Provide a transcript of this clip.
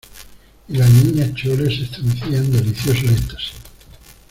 y la Niña Chole se estremecía en delicioso éxtasis